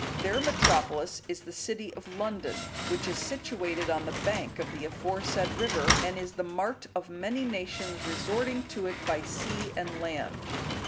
Their metropolis is the city of London, which is situated on the bank of the aforesaid river, and is the mart of many nations resorting to it by sea and land.